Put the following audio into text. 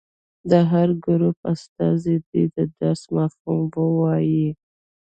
د هر ګروپ استازي دې د درس مفهوم ووايي.